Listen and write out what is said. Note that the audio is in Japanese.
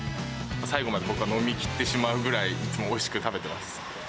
最後まで僕は飲みきってしまうくらい、いつもおいしく食べてます。